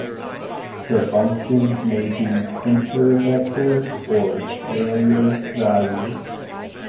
The function may be tensor-, vector- or scalar-valued.